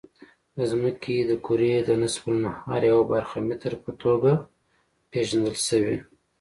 د ځمکې د کرې د نصف النهار یوه برخه متر په توګه پېژندل شوې.